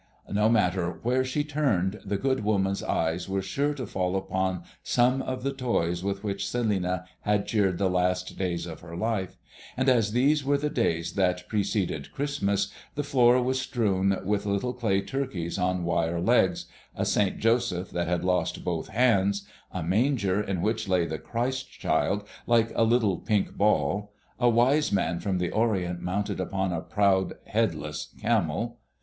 No matter where she turned, the good woman's eyes were sure to fall upon some of the toys with which Celinina had cheered the last days of her life; and as these were the days that preceded Christmas, the floor was strewn with little clay turkeys on wire legs, a Saint Joseph that had lost both hands, a manger in which lay the Christ Child, like a little pink ball, a wise man from the Orient mounted upon a proud, headless camel.